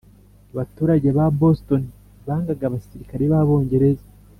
abaturage ba boston bangaga abasirikare b'abongereza.